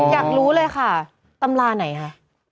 อยากรู้เลยค่ะตำราไหนคะ